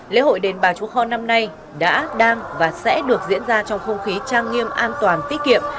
lễ hội đền bà chúa kho năm nay đã đang và sẽ được diễn ra trong không khí trang nghiêm an toàn tiết kiệm